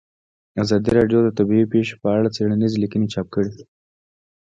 ازادي راډیو د طبیعي پېښې په اړه څېړنیزې لیکنې چاپ کړي.